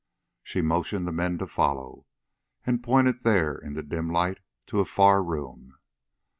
She motioned the men to follow, and pointed there in the dim light to a far room.